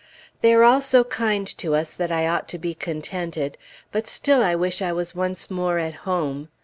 They are all so kind to us that I ought to be contented; but still I wish I was once more at home.